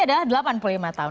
adalah delapan puluh lima tahun